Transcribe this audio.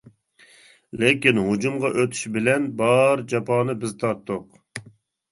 لېكىن ھۇجۇمغا ئۆتۈش بىلەن بار جاپانى بىز تارتتۇق.